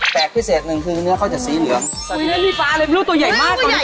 แตกพิเศษหนึ่งคือเนื้อเขาจะสีเหลืองตรงนี้ไม่รู้ตัวใหญ่มาก